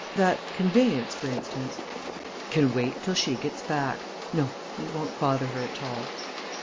That conveyance, for instance " "Can wait till she gets back. No, we won't bother her at all."